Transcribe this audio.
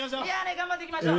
頑張っていきましょう。